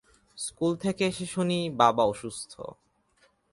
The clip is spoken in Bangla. স্কুল থেকে এসে শুনি বাবা অসুস্থ!